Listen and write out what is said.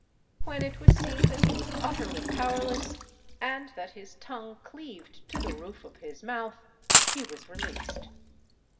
When it was seen that he was utterly powerless, and that his tongue cleaved to the roof of his mouth, he was released.